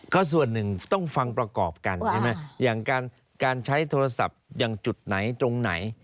ก็ส่วนหนึ่งต้องฟังประกอบกันใช่ไหมอย่างการใช้โทรศัพท์อย่างจุดไหนตรงไหน